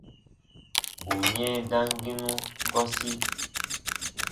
Bù yɛ̃ɛ damginu gɔsi.